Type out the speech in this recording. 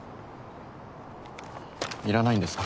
いらないんですか？